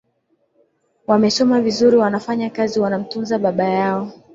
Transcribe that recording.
wamesoma vizuri wanafanya kazi wanamtunza baba yao